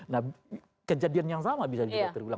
nah kejadian yang sama bisa juga terulang